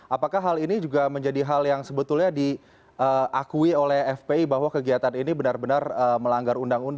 apakah hal ini juga menjadi hal yang sebetulnya diakui oleh fpi bahwa kegiatan ini benar benar melanggar undang undang